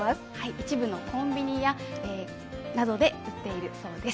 一部のコンビニなどで売っているそうです。